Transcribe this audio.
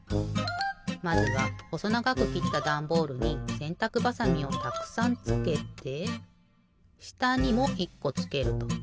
まずはほそながくきったダンボールにせんたくばさみをたくさんつけてしたにも１こつけると。